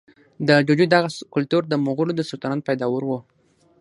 د ډوډۍ دغه کلتور د مغولو د سلطنت پیداوار و.